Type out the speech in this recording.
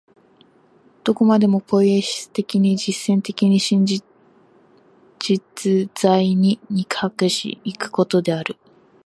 どこまでもポイエシス的に、実践的に、真実在に肉迫し行くことである。